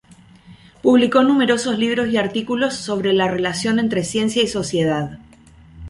Publicó numerosos libros y artículos sobre la relación entre ciencia y sociedad.